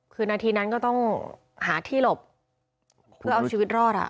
คือนาทีนั้นก็ต้องหาที่หลบเพื่อเอาชีวิตรอด